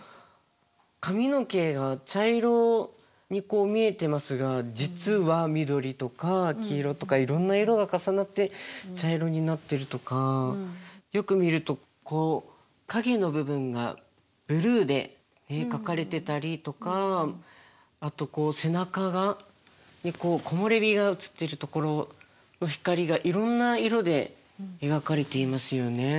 髪の毛が茶色に見えてますが実は緑とか黄色とかいろんな色が重なって茶色になってるとかよく見るとこう影の部分がブルーで描かれてたりとかあとこう背中に木漏れ日が映ってるところの光がいろんな色で描かれていますよね。